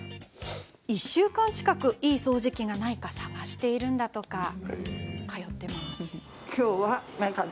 １週間近く、いい掃除機がないか探しているんだとか。